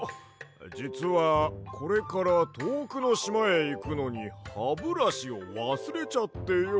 じつはこれからとおくのしまへいくのにハブラシをわすれちゃってよ。